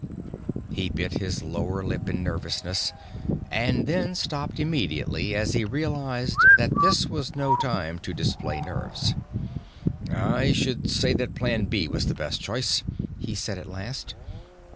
He bit his lower lip in nervousness, and then stopped immediately as he realized that this was no time to display nerves. "I should say that Plan B was the best choice," he said at last.